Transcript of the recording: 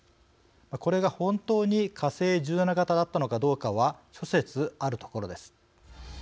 これが本当に火星１７型だったのかどうかは諸説あるところです。